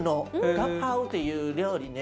ガパオっていう料理ね。